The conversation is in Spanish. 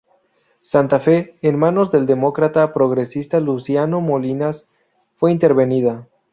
Santa Fe, en manos del demócrata progresista Luciano Molinas, fue intervenida.